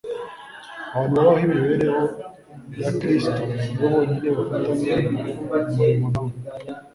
abantu babaho imibereho ya kristo ni bo bonyine bafatanya umurimo na we